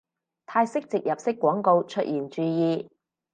泰式植入式廣告出現注意